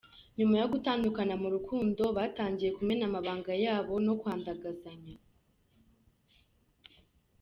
Nyuma yo gutandukana mu rukundo batangiye kumena amabanga yabo no kwandagazanya.